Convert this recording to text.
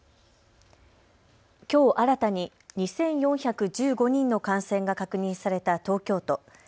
きょう新たに２４１５人の感染が確認された東京都。